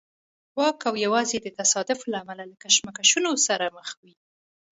واک او یوازې د تصادف له امله له کشمکشونو سره مخ وي.